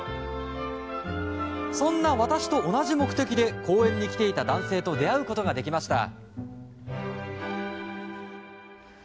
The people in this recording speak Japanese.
そんな私と同じ目的で公園に来ていた男性と出会うことができました。